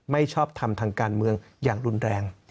ไม่ชอบทำทางการเมืองอย่างรุนแรง